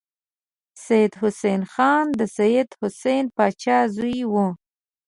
سید حسن خان د سید حسین پاچا زوی و.